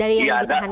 dari yang ditahanin